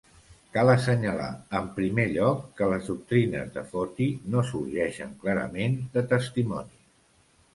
Cal assenyalar en primer lloc que les doctrines de Fotí no sorgeixen clarament de testimonis.